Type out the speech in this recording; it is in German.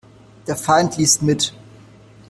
Der Feind liest mit.